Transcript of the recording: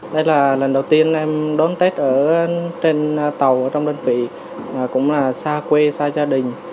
đây là lần đầu tiên em đón tết ở trên tàu ở trong đơn vị cũng là xa quê xa gia đình